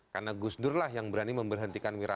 karena gusdur lah yang berani memberhentikan wira